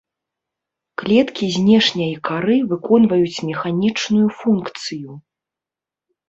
Клеткі знешняй кары выконваюць механічную функцыю.